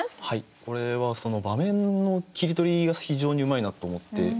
これはその場面の切り取りが非常にうまいなと思って。